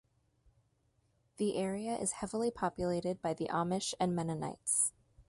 The area is heavily populated by the Amish and Mennonites.